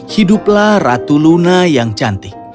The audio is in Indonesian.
hiduplah ratu luna yang cantik